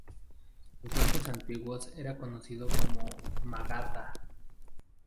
En tiempos antiguos era conocida como Magadha.